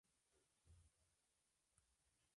La princesa María Luisa se ha casado en dos ocasiones.